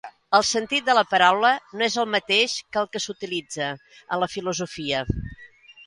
I el sentit de la paraula no és el mateix que el que s'utilitza en la filosofia.